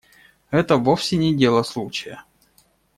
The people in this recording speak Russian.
Это вовсе не дело случая.